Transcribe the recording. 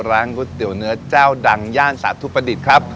ร้านก๋วยเตี๋ยวเนื้อเจ้าดังย่านสาธุประดิษฐ์ครับ